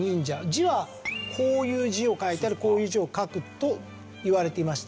字はこういう字を書いたりこういう字を書くといわれていまして。